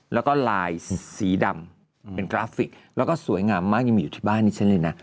แล้วก็ลายสีดำเป็นกราฟิกแล้วก็สวยงามมากยังมีอยู่ที่บ้านนี้ฉันเลยนะ